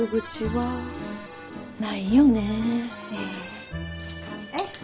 はい。